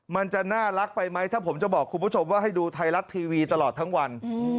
มันจะน่ารักไปไหมถ้าผมจะบอกคุณผู้ชมว่าให้ดูไทยรัฐทีวีตลอดทั้งวัน